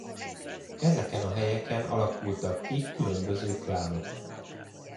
Ezeken a helyeken alakultak ki különböző klánok.